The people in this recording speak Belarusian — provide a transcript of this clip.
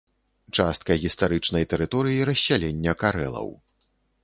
Частка гістарычнай тэрыторыі рассялення карэлаў.